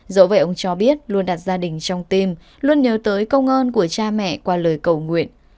dẫu vậy ông cho biết luôn đặt gia đình trong tim luôn nhớ tới công ơn của cha mẹ qua lời cầu nguyện